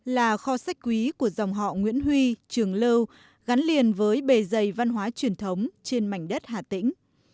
là kho sách quý của dòng họ nguyễn huy trường lưu gắn liền với bề dày văn hóa truyền thống trên mảnh đất hà tĩnh